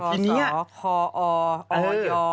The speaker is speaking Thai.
คอส่อคออออยย